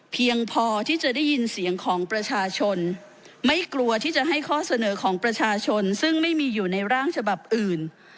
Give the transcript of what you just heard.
เพียงพอที่จะได้ยินเสียงของประชาชนไม่กลัวที่จะให้ข้อเสนอของประชาชนซึ่งไม่มีอยู่ในร่างฉบับอื่น